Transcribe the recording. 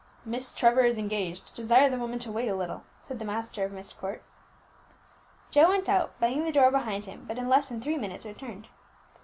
"Miss Trevor is engaged; desire the woman to wait a little," said the master of Myst Court. Joe went out, banging the door behind him, but in less than three minutes returned.